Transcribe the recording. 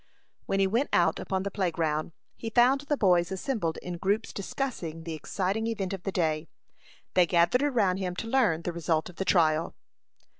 When he went out upon the play ground, he found the boys assembled in groups discussing the exciting event of the day. They gathered around him to learn the result of the trial.